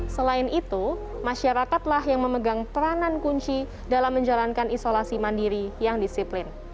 selain itu masyarakatlah yang memegang peranan kunci dalam menjalankan isolasi mandiri yang disiplin